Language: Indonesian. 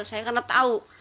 saya karena tahu